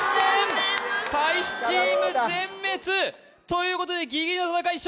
大使チーム全滅！ということでギリギリの戦い